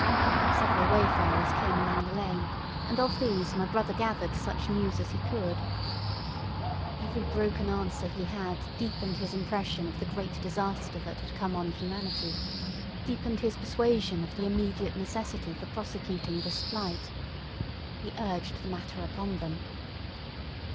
Several wayfarers came along the lane, and of these my brother gathered such news as he could. Every broken answer he had deepened his impression of the great disaster that had come on humanity, deepened his persuasion of the immediate necessity for prosecuting this flight. He urged the matter upon them.